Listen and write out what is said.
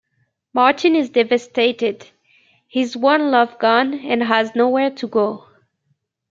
Martin is devastated, his one love gone and has nowhere to go.